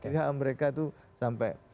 lihat mereka itu sampai